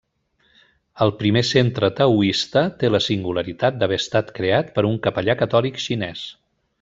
El primer centre taoista té la singularitat d’haver estat creat per un capellà catòlic xinès.